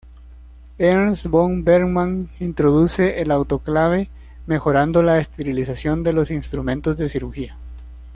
Ernst von Bergmann introduce el autoclave, mejorando la esterilización de los instrumentos de cirugía.